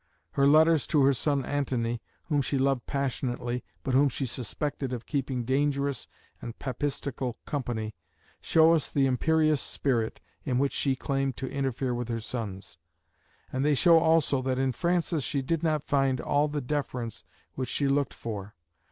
Her letters to her son Antony, whom she loved passionately, but whom she suspected of keeping dangerous and papistical company, show us the imperious spirit in which she claimed to interfere with her sons; and they show also that in Francis she did not find all the deference which she looked for.